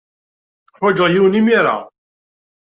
Ḥwajeɣ yiwen imir-a.